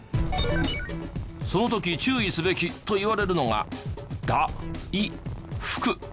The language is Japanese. その時注意すべきといわれるのが「だ・い・ふく」。